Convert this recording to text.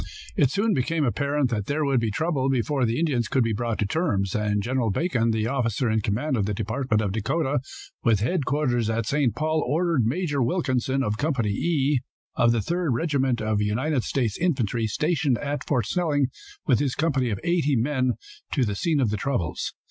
It soon became apparent that there would be trouble before the Indians could be brought to terms, and General Bacon, the officer in command of the Department of Dakota, with headquarters at St. Paul, ordered Major Wilkinson of Company "E," of the Third Regiment of United States Infantry, stationed at Fort Snelling, with his company of eighty men, to the scene of the troubles.